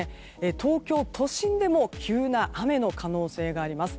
東京都心でも急な雨の可能性があります。